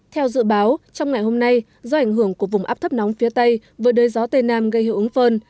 theo dự báo trong ngày hôm nay do ảnh hưởng của vùng áp thấp nóng phía tây với đời gió tây nam gây hữu ứng phân